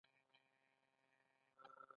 خر، خره، اوښ ، اوښان ، اوښانو .